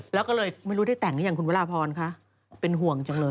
แล้วก็เลยไม่รู้จะแต่งได้ยังว่าหรร่าภรคะเป็นห่วงจังเลย